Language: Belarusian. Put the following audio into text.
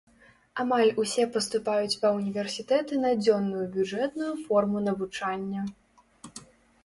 Амаль усе паступаюць ва ўніверсітэты на дзённую бюджэтную форму навучання.